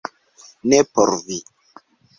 Ne por vi